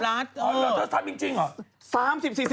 จริงจริงหรอ